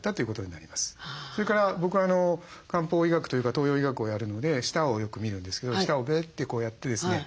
それから僕漢方医学というか東洋医学をやるので舌をよく見るんですけど舌をべーってやってですね